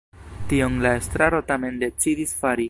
Tion la estraro tamen decidis fari.